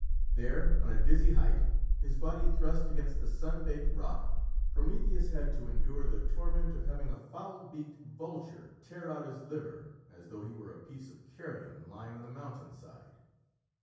There, on a dizzy height, his body thrust against the sun baked rock, Prometheus had to endure the torment of having a foul beaked vulture tear out his liver, as though he were a piece of carrion lying on the mountain side.